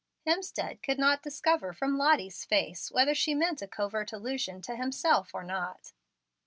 Hemstead could not discover from Lottie's face whether she meant a covert allusion to himself or not.